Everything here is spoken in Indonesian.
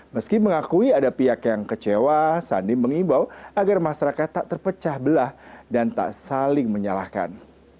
meski mengakui ada pihak yang kecewa sandi mengimbau agar masyarakat tak terpecah belah dan tak saling menyalahkan